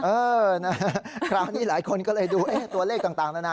เออนะฮะคราวนี้หลายคนก็เลยดูตัวเลขต่างนานา